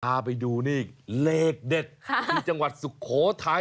พาไปดูนี่เลขเด็ดที่จังหวัดสุโขทัย